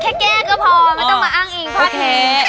แค่แก้ก็พอไม่ต้องมาอ้างอิงพ่อแท้